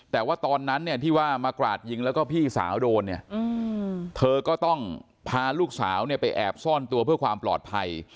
แต่ว่าตอนนั้นเนี่ยที่ว่ามากราดยิงแล้วก็พี่สาวโดนเนี่ยเธอก็ต้องพาลูกสาวเนี่ยไปแอบซ่อนตัวเพื่อความปลอดภัย